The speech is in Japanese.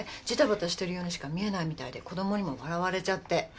じたばたしてるようにしか見えないみたいで子供にも笑われちゃって。